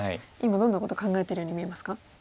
今どんなこと考えてるように見えますか？